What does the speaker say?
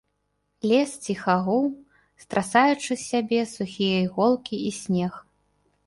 Лес ціха гуў, страсаючы з сябе сухія іголкі і снег.